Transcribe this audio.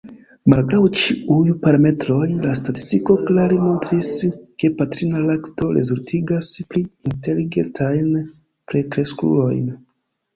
Malgraŭ ĉiuj parametroj, la statistiko klare montris, ke patrina lakto rezultigas pli inteligentajn plenkreskulojn.